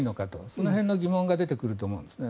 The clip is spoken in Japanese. その辺の疑問が出てくると思うんですね。